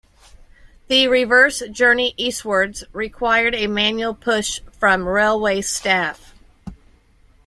The reverse journey eastwards required a manual push from railway staff.